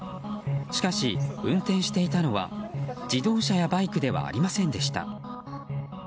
しかし、運転していたのは自動車やバイクではありませんでした。